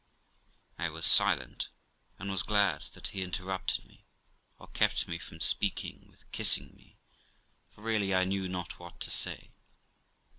I was silent, and was glad that he interrupted me, or kept me from speaking, with kissing me, for really I knew not what to say.